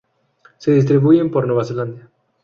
Se distribuye por Nueva Zelanda.